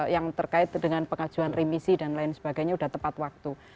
yang terkait dengan pengajuan remisi dan lain sebagainya sudah tepat waktu